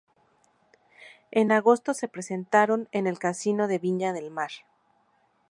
En agosto se presentaron en el Casino de Viña del Mar.